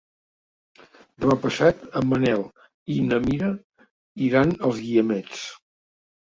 Demà passat en Manel i na Mira iran als Guiamets.